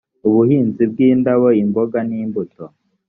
ubuhinzi bw indabo imboga n imbuto